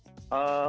oke saya melihat